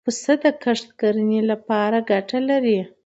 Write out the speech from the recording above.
پسه د کښت کرنې له پاره ګټه لري.